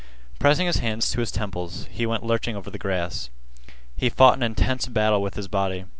Pressing his hands to his temples he went lurching over the grass. He fought an intense battle with his body.